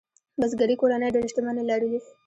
بزګري کورنۍ ډېرې شتمنۍ لرلې.